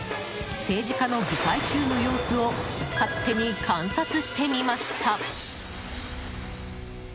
政治家の議会中の様子を勝手に観察してみました。